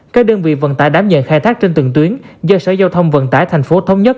các đơn vị vận tải đảm nhận khai thác trên từng tuyến do sở giao thông vận tải thành phố thống nhất